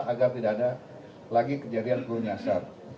agar tidak ada lagi kejadian peluru nyasar